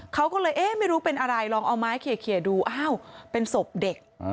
เขาก็เลยเอ๊ะไม่รู้เป็นอะไรลองเอาไม้เขียดูอ้าวเป็นศพเด็ก